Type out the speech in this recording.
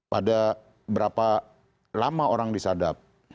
pada berapa lama orang disadap